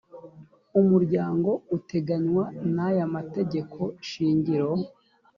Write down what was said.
umuryango uteganywa n aya mategeko shingiro